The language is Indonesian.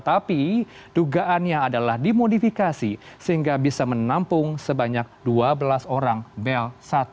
tapi dugaannya adalah dimodifikasi sehingga bisa menampung sebanyak dua belas orang bell dua ratus dua belas